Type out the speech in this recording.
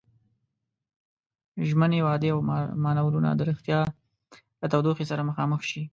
ژمنې، وعدې او مانورونه د ريښتيا له تودوخې سره مخامخ شي.